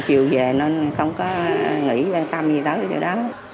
chiều về nên không có nghĩ quan tâm gì tới được đâu